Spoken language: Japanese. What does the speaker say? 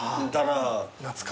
懐かしい。